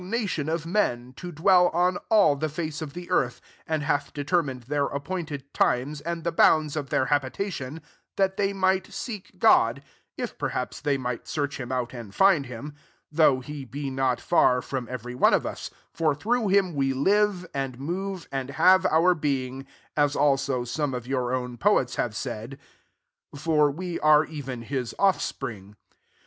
ACTS XVIIL £31 of men, to dwell on all the iace of the earth, and hath de termined their appointed times, and the bounds of their habita tion ; 27 that they might seek Grod, if perhaps they might search him out and find him ; •though he be not far fi*om every one of us : 28 for through him we live, and move, and have our being ; as also some of your own f poets] have said; * For we are even his offspring.'